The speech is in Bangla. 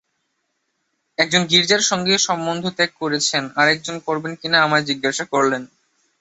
একজন গীর্জার সঙ্গে সম্বন্ধ ত্যাগ করেছেন, আর একজন করবেন কিনা আমায় জিজ্ঞাসা করলেন।